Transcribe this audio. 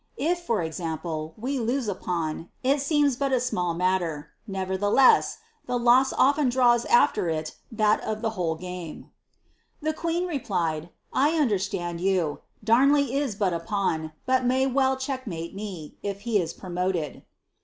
If, for example, we lose a pawn, it aeeaw bat a small matter; nevertheless, the loss often draws after it that of the whole game." The queen replied, ■* 1 understand you ; Damley is bat a pawn, but may well check mate me, if he is promoted.'"